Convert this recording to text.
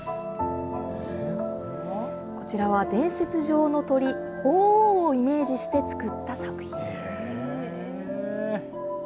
こちらは伝説上の鳥、ほうおうをイメージして作った作品です。